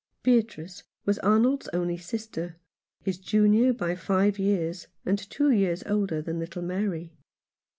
Beatrice was Arnold's only sister, his junior by five years, and two years older than little Mary.